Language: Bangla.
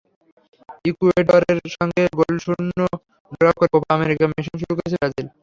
ইকুয়েডরের সঙ্গে গোলশূন্য ড্র করে কোপা আমেরিকা মিশন শুরু করেছে ব্রাজিল।